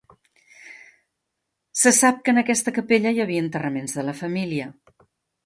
Se sap que en aquesta capella hi havia enterraments de la família.